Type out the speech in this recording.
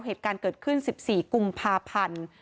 เหตุการณ์เกิดขึ้น๑๔กุมภาพันธ์